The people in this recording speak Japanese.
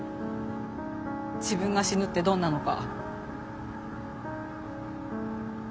自分が死ぬってどんなのか。